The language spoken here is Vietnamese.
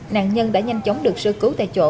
nạn nhân đã nhanh chóng được sơ cứu tại chỗ